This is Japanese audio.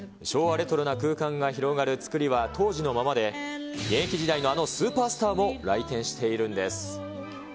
昭和レトロな空間が広がる造りは当時のままで、現役時代のあのスーパースターも来店しているんです。